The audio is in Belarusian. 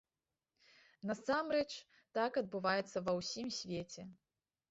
Насамрэч, так адбываецца ва ўсім свеце.